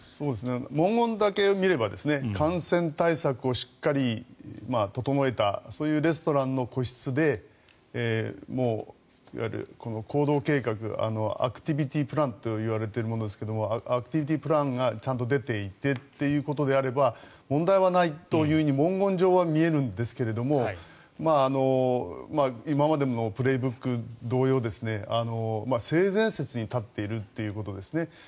文言だけ見れば感染対策をしっかり整えたそういうレストランの個室で行動計画アクティビティープランといわれているものですがアクティビティープランがちゃんと出ていてということであれば問題ないと文言上は見えるんですが今までの「プレーブック」同様性善説に立っているということですね。